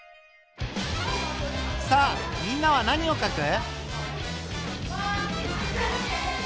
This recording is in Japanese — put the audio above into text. さあみんなは何をかく？